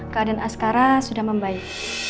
keadaan askara sudah membaik